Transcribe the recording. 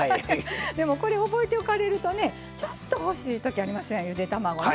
でもこれ覚えておかれるとねちょっと欲しい時ありますやんゆで卵ね。